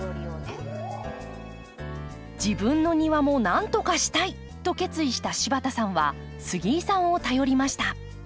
自分の庭もなんとかしたいと決意した柴田さんは杉井さんを頼りました。